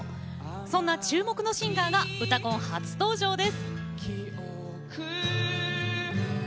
そんな注目のシンガーが「うたコン」初登場です。